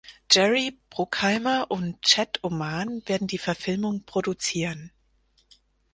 Jerry Bruckheimer und Chad Oman werden die Verfilmung produzieren.